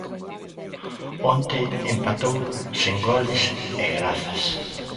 Onte empatou sen goles, e grazas.